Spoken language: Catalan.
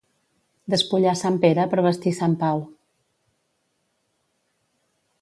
Despullar sant Pere per vestir sant Pau.